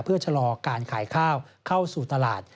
เพื่อชะลอการขายข้าวเข้าสู่ตลาด